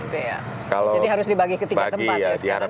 jadi harus dibagi ke tiga tempat ya sekarang